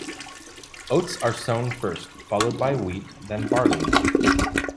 Oats are sown first, followed by wheat, then barley.